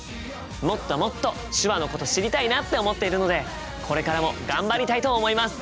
もっともっと手話のこと知りたいなって思っているのでこれからも頑張りたいと思います！